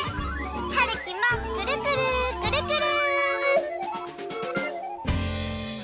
はるきもくるくるくるくる。